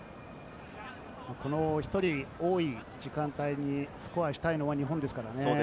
１人多い時間帯にスコアしたいのは日本ですからね。